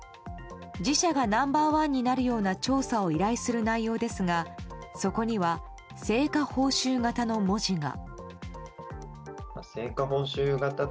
自社がナンバー１になるような調査を依頼する内容ですがそこには「成果報酬型」の文字が。